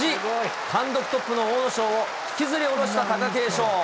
単独トップの阿武咲を引きずり下ろした貴景勝。